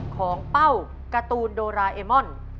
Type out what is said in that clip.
เป้าการ์ตูนโดราเอมอน